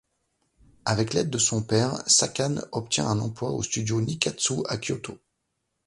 Avec l'aide de son père, Sakane obtient un emploi au studio Nikkatsu à Kyoto.